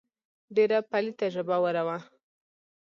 ډېره پليته ژبوره وه.